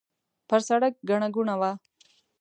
پر سړک ګڼه ګوڼه وه.